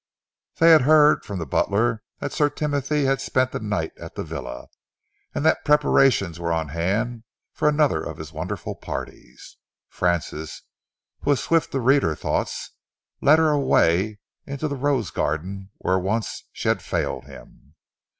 They had heard from the butler that Sir Timothy had spent the night at the villa, and that preparations were on hand for another of his wonderful parties. Francis, who was swift to read her thoughts, led her away into the rose garden where once she had failed him.